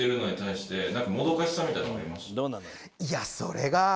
いやそれが。